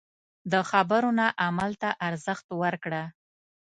د خبرو نه عمل ته ارزښت ورکړه.